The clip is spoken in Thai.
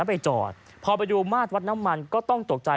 พอหน้าวัดที่วัดน้ำมันก็มากตกต้องใจ